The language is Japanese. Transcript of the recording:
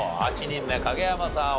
８人目影山さん